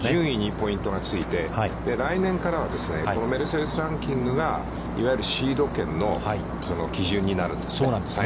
ポイントがついて、来年からはメルセデス・ランキングが、いわゆるシード権の基準になるんですよね。